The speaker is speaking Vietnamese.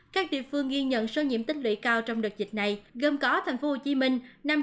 các địa phương ghi nhận số nhiễm tích lũy cao trong đợt dịch này gồm có thành phố hồ chí minh năm trăm linh một hai trăm tám mươi tám